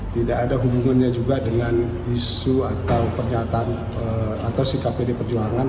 tidak ada hubungannya juga dengan isu atau pernyataan atau sikap pdi perjuangan